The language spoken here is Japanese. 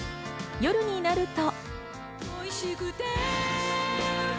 夜になると。